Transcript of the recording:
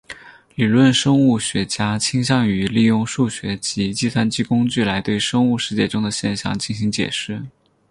理论生物学家倾向于利用数学及计算机工具来对生物世界中的现象进行解释。